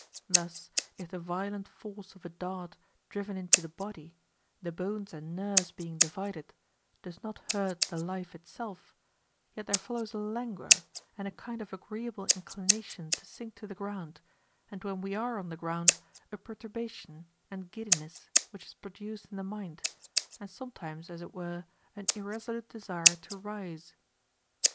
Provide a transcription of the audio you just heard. Thus^ if the violent force of a dart, driven into the hody^ the bones and nerves being di vided, does not hurt the life itself ^ yet there follows a languor, and a kind of agreeable inclination to sink to the ground,^ and when we are on the ground, a perturbation^ and giddiness which is produced in the mind, and sometimes, as it were, an irresolute desire to rise.